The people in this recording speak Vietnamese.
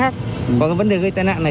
còn vấn đề gây tài nạn này